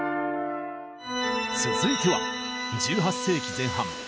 続いては１８世紀前半。